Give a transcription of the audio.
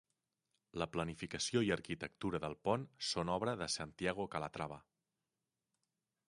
La planificació i arquitectura del pont són obra de Santiago Calatrava.